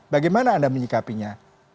bagaimana anda menyikapinya